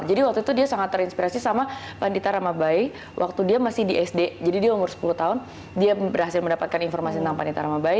jadi waktu itu dia sangat terinspirasi sama pandita ramabai waktu dia masih di sd jadi dia umur sepuluh tahun dia berhasil mendapatkan informasi tentang pandita ramabai